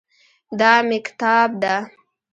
دا مېکتاب ده